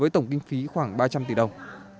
ba trăm linh tỷ đồng